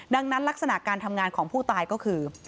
ดังนั้นลักษณะการทำงานของผู้ตายก็คือ